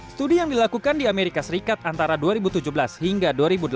studi yang dilakukan di amerika serikat antara dua ribu tujuh belas hingga dua ribu delapan belas